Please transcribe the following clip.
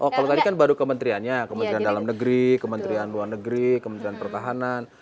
oh kalau tadi kan baru kementeriannya kementerian dalam negeri kementerian luar negeri kementerian pertahanan